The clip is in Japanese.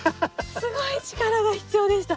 すごい力が必要でした！